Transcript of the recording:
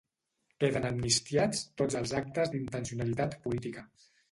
Queden amnistiats tots els actes d’intencionalitat política